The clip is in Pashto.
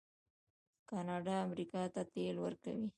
کاناډا امریکا ته تیل ورکوي.